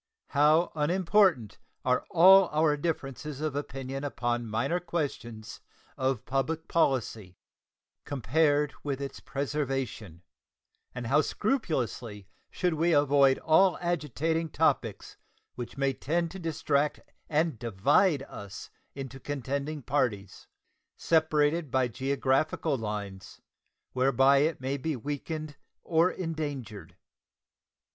How unimportant are all our differences of opinion upon minor questions of public policy compared with its preservation, and how scrupulously should we avoid all agitating topics which may tend to distract and divide us into contending parties, separated by geographical lines, whereby it may be weakened or endangered.